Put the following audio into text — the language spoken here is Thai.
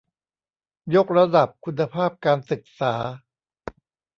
ยกระดับคุณภาพการศึกษา